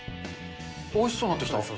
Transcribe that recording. おいしそうになってきた。